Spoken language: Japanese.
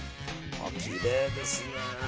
きれいですね。